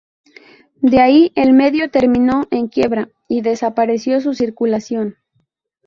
De ahí el medio terminó en quiebra y desapareció su circulación.